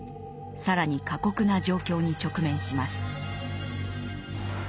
更に過酷な状況に直面します。